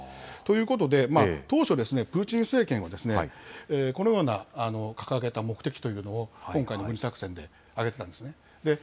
ということで、当初、プーチン政権は、このような掲げた目的というのを、今回の軍事作戦で挙げてたんですね。